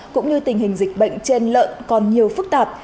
cũng như tình hình dịch bệnh trên lợn còn nhiều phức tạp